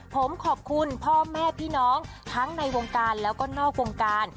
ผมขอบคุณพ่อแม่พี่น้องทั้งในวงการแล้วก็นอกวงการ